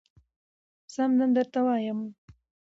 سم دم درته وايم